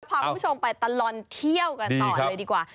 พาคุณผู้ชมไปตลอดเที่ยวกันต่อเลยดีกว่า